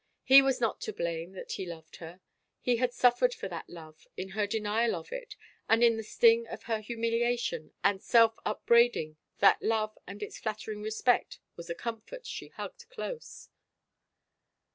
He was not to blame that he loved her. He had suffefed for that love, in her denial of it, and in the sting of her htmiiliation and self upbraiding that love and its flattering respect was a com fort she hugged close.